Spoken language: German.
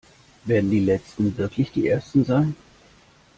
Werden die Letzten wirklich die Ersten sein?